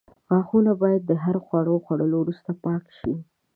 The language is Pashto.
غاښونه باید د هر خواړو خوړلو وروسته پاک شي.